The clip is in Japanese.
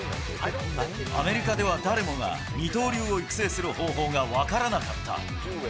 アメリカでは誰もが、二刀流を育成する方法が分からなかった。